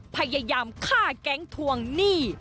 พยายามฆ่าแก๊งทวงหนี้